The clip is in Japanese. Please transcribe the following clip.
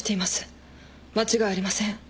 間違いありません。